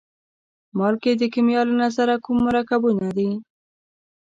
مالګې د کیمیا له نظره کوم مرکبونه دي؟